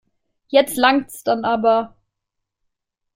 Jetzt langt's dann aber.